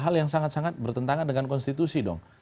hal yang sangat sangat bertentangan dengan konstitusi dong